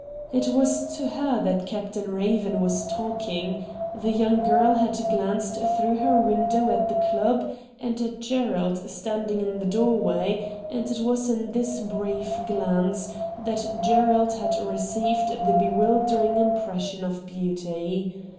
It was to her that Captain Eaven was talking. The young girl had glanced through her window at the club and at Gerald standing in the doorway, and it was in this brief glance that Gerald had received the bewildering impression of beauty.